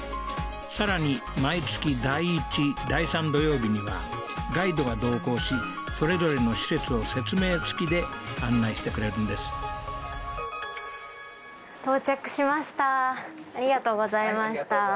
更に毎月第１第３土曜日にはガイドが同行しそれぞれの施設を説明付きで案内してくれるんです到着しましたありがとうございました